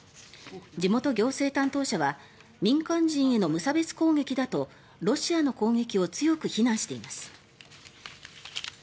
地元行政担当者は民間人への無差別攻撃だとロシアの攻撃を強く非難しています。